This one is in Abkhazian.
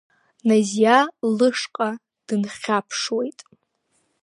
Назиа лышҟа дынхьаԥшуеит.